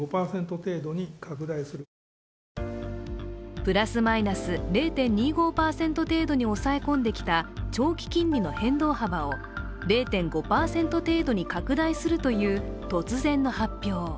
プラスマイナス０．２５％程度に抑え込んできた長期金利の変動幅を０．５％程度に拡大するという突然の発表。